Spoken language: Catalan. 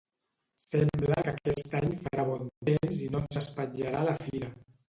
Sembla que aquest any farà bon temps i no ens espatllarà la fira.